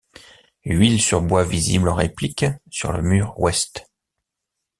Huile sur bois visible en réplique sur le mur ouest.